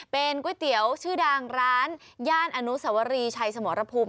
เป็นก๋วยเตี๋ยวชื่อดังร้านย่านอนุสวรีชัยสมรภูมิ